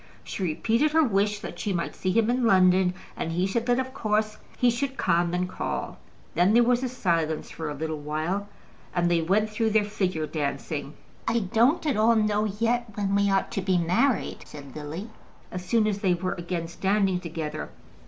She repeated her wish that she might see him in London, and he said that of course he should come and call. Then there was silence for a little while, and they went through their figure dancing. "I don't at all know yet when we are to be married," said Lily, as soon as they were again standing together.